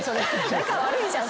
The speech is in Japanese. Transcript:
仲悪いじゃん